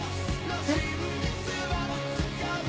えっ？